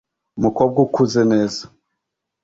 umukobwa ukuze neza